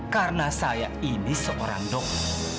karena saya ini seorang dokter